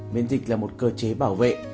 miễn dịch là một cơ chế bảo vệ